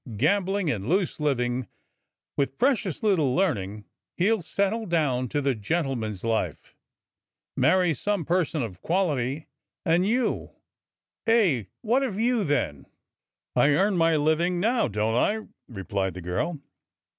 116 DOCTOR SYN gambling, and loose living, with precious little learning, he'll settle down to the gentleman's life, marry some person of quality, and you — eh? what of you, then?" I earn my living now, don't I?" replied the girl.